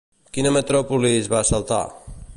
Quina metròpolis va assaltar?